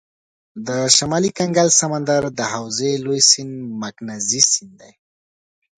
د شمالي کنګل سمندر د حوزې لوی سیند مکنزي سیند دی.